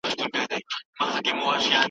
که تاسي ما ته زنګ ووهئ زه به ځواب درکړم.